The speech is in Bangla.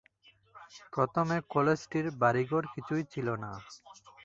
প্রথমে কলেজটির বাড়িঘর কিছুই ছিল না।